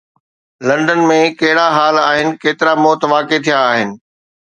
London ۾ ڪهڙا حال آهن، ڪيترا موت واقع ٿيا آهن